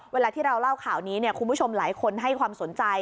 เวลาที่เราเล่าข่าวนี้คุณผู้ชมหลายคนให้ความสนใจ